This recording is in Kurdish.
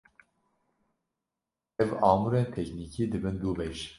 Ev amûrên teknîkî dibin du beş.